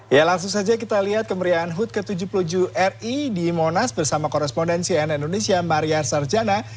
ya langsung saja kita lihat kemeriahan hut ke tujuh puluh tujuh ri di monas bersama korespondensi nn indonesia maria sarjana